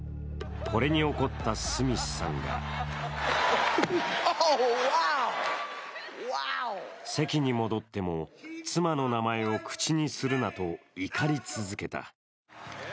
これに怒ったスミスさんが席に戻っても、妻の名前を口にするなと怒り続けた。